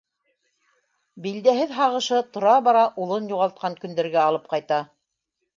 Билдәһеҙ һағышы тора-бара улын юғалтҡан көндәргә алып ҡайта.